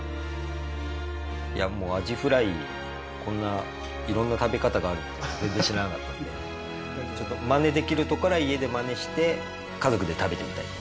いやもうアジフライにこんな色んな食べ方があるって全然知らなかったのでマネできるとこから家でマネして家族で食べてみたいと思います。